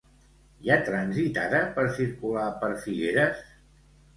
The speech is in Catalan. Hi ha trànsit ara per circular per Figueres?